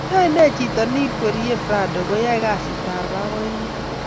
Yaenee chito ni ingwerie Prado Kuyai kazit ab pakoinik